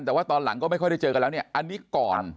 แต่ว่าตอนหลังก็ไม่ค่อยได้เจอกันแล้วเนี่ยอันนี้ก่อน